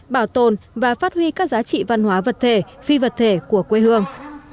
bảo tồn và phát huy các giá trị văn hóa vật thể phi vật thể của quê hương